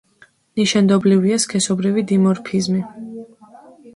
ნიშანდობლივია სქესობრივი დიმორფიზმი.